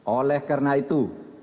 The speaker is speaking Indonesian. oleh karena itu